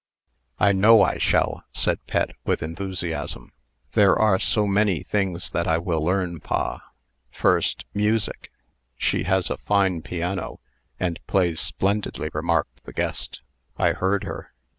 "I know I shall," said Pet, with enthusiasm. "There are so many things that I will learn, pa. First, music " "She has a fine piano, and plays splendidly," remarked the guest. "I heard her."